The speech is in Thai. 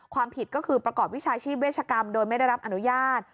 ความผิดก็คือประกอบวิชาชีพเวชกรรมโดยไม่ได้รับอนุญาต